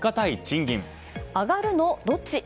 アガるのどっち？